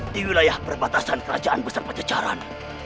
di wilayah perbatasan kerajaan beserta cecaran